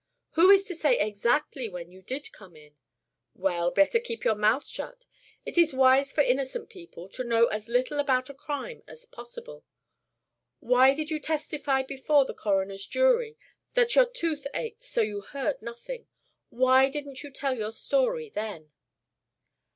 Who is to say exactly when you did come in? Well, better keep your mouth shut. It is wise for innocent people to know as little about a crime as possible. Why did you testify before the coroner's jury that your tooth ached so you heard nothing? Why didn't you tell your story then?"